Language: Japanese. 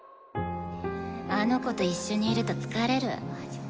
あの子と一緒にいると疲れる。